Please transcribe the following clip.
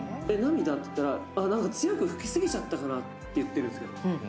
なんでって言ったら強く吹きすぎちゃったかなって言ってるんですよ。